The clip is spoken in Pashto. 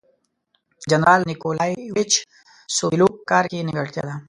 د جنرال نیکولایویچ سوبولیف په کار کې نیمګړتیا ده.